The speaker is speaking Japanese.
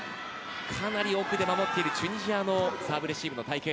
かなり奥で守っているチュニジアのサーブレシーブの隊形。